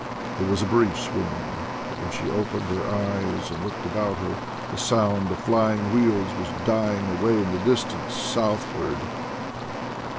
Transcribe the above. It was a brief swoon, but when she opened her eyes and looked about her, the sound of the flying wheels was dying away in the distance, southward.